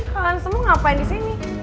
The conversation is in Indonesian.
kalian semua ngapain disini